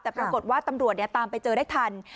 แต่ปรากฏว่าตำรวจตามไปเจอได้ทัน